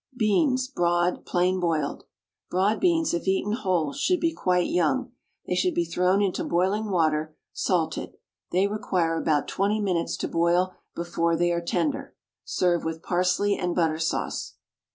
BEANS, BROAD, PLAIN BOILED. Broad beans, if eaten whole, should be quite young. They should be thrown into boiling water, salted. They require about twenty minutes to boil before they are tender. Serve with parsley and butter sauce.